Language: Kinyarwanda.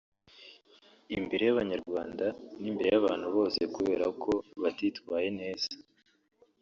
imbere y’Abanyarwanda n’imbere y’Abantu bose kubera ko batitwaye neza